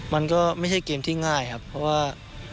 มันก็ไม่ใช่เกมที่ง่ายครับเพราะว่า